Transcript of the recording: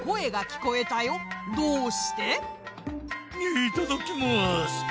いただきます！